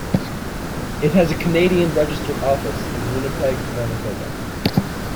It has a Canadian registered office in Winnipeg, Manitoba.